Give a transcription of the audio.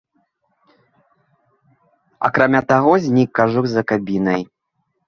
Акрамя таго, знік кажух за кабінай.